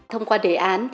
thông qua đề án